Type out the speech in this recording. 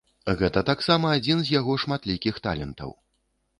Гэта таксама адзін з яго шматлікіх талентаў.